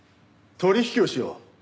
取引をしよう。